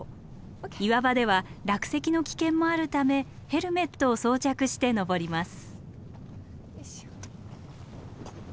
岩場では落石の危険もあるためヘルメットを装着して登ります。